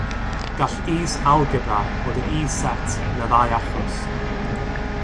Gall Is-algebra fod yn is-set yn y ddau achos.